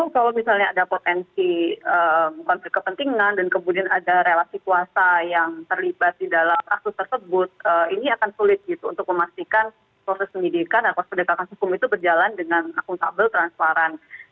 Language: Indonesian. kalau misalnya ada potensi konflik kepentingan dan kemudian ada relasi kuasa yang terlibat di dalam kasus tersebut ini akan sulit gitu untuk memastikan proses penyidikan dan proses pendekatan hukum itu berjalan dengan akuntabel transparan